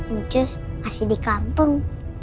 njus masih di kampung